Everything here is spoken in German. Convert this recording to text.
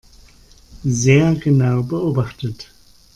Sehr genau beobachtet.